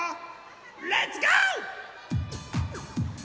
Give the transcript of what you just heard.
レッツゴー！